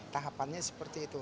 tahapannya seperti itu